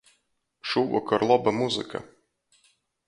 Šūvokor loba muzyka.